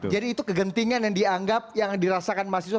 jadi itu kegentingan yang dianggap yang dirasakan mahasiswa